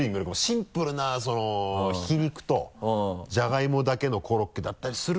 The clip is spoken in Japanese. シンプルなひき肉とジャガイモだけのコロッケだったりすると。